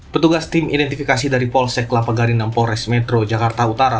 petugas tim identifikasi dari polsek lapagari enam polres metro jakarta utara